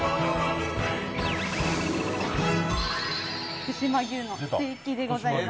福島牛のステーキでございます。